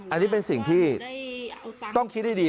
อันนี้เป็นสิ่งที่ต้องคิดให้ดี